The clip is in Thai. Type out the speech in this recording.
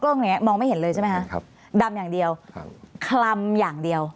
กล้องมองไม่เห็นเลยใช่ไหมฮะดำอย่างเดียวคลำอย่างเดียว